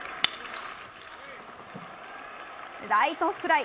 ライトフライ。